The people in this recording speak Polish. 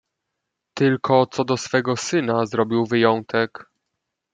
"Tylko co do swego syna zrobił wyjątek."